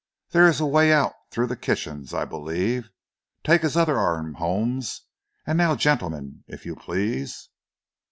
There is a way out through the kitchens, I believe. Take his other arm, Holmes. Now, gentlemen, if you please."